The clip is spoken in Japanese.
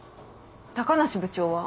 高梨部長は？